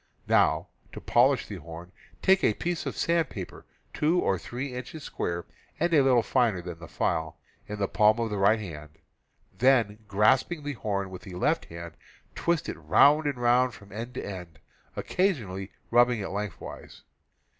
Now, to polish the horn : take a piece of sandpaper 2 or 3 inches square, and a little finer than the file, in the palm of the right hand; then, grasping the horn with the left hand, twist it round and round from end to end, occasionally rubbing it lengthwise.